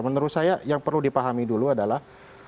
menurut saya yang perlu dipahami dulu adalah